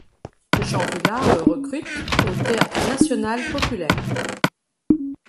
Jean Vilar le recrute au Théâtre national populaire.